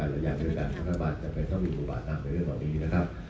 ในการการพันธุบาลก็คงอยู่กว่าในเรื่องส่วนนี้นะครับ